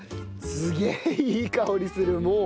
すげえいい香りするもう。